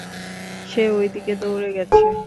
সে ওদিকে দৌড়ে গেছে।